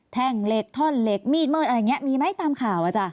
แท่งเหล็กท่อนเหล็กมีดมืดอะไรอย่างนี้มีไหมตามข่าวอาจารย